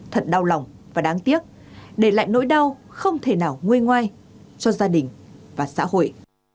thật đau lòng và đáng tiếc để lại nỗi đau không thể nào nguôi ngoai cho gia đình và xã hội